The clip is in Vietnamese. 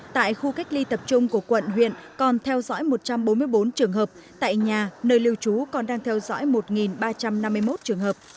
tại khu cách ly tập trung của quận huyện còn theo dõi một trăm bốn mươi bốn trường hợp tại nhà nơi lưu trú còn đang theo dõi một ba trăm năm mươi một trường hợp